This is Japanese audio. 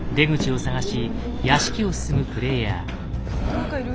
何かいる。